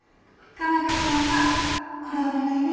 佳奈花ちゃんはこれお願いね。